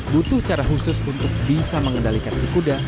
butuh cara khusus untuk bisa mengendalikan si kuda